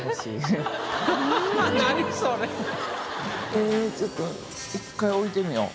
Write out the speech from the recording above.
ええちょっと一回置いてみよう。